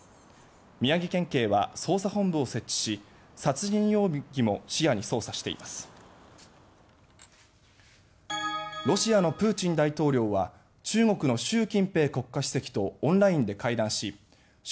宮城県警は捜査本部を設置し殺人容疑も視野に捜査していますロシアのプーチン大統領は中国の習近平国家主席とオンラインで会談し習